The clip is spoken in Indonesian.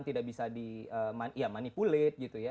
tidak bisa di manipulasi gitu ya